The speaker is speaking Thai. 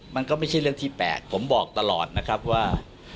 มันก็ไม่ใช่เรื่องที่๘ผมบอกตลอดนะครับว่า